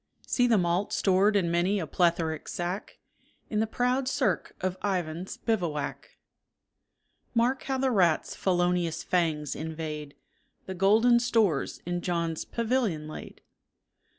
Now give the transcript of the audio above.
See the malt stored in many a plethoric sack, In the proud cirque of Ivan's bivouac. Mark how the rat's felonious fangs invade The golden stores in John's pavilion laid.